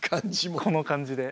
この感じも。